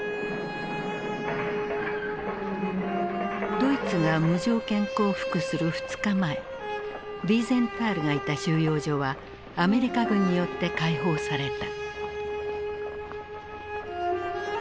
ドイツが無条件降伏する２日前ヴィーゼンタールがいた収容所はアメリカ軍によって解放された。